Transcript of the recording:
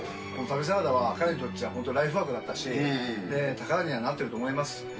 この旅サラダは彼にとっちゃ、本当にライフワークだったし宝にはなっていると思います。